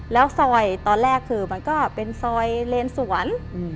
แล้วซอยตอนแรกคือมันก็เป็นซอยเลนสวน